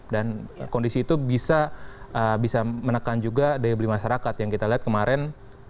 dan kondisi itu bisa menekan juga daya beli masyarakat yang kita lihat kemarin